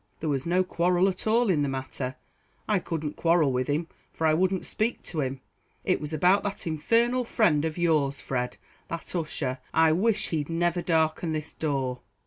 there was no quarrel at all in the matter I couldn't quarrel with him for I wouldn't speak to him. It was about that infernal friend of yours, Fred, that Ussher; I wish he'd never darkened this door."